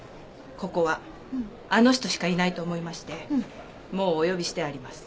ここはあの人しかいないと思いましてもうお呼びしてあります。